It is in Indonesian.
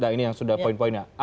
ini yang sudah poin poin ya